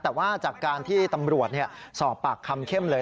แต่ว่าจากการที่ตำรวจสอบปากคำเข้มเลย